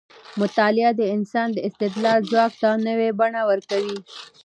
مطالعه د انسان د استدلال ځواک ته نوې بڼه ورکوي.